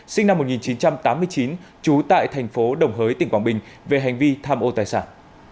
sinh năm một nghìn chín trăm tám mươi chín trú tại thành phố đồng hới tỉnh quảng bình về hành vi tham ô tài sản